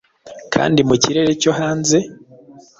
Kandi mu kirere cyo hanze,